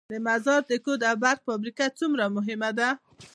د مزار د کود او برق فابریکه څومره مهمه ده؟